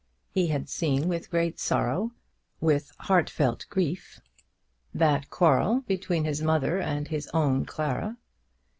He had seen with great sorrow, "with heartfelt grief," that quarrel between his mother and his own Clara.